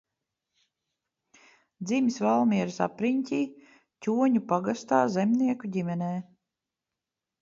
Dzimis Valmieras apriņķī, Ķoņu pagastā zemnieku ģimenē.